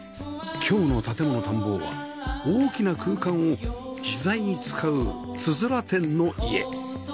今日の『建もの探訪』は大きな空間を自在に使う「つづら店」の家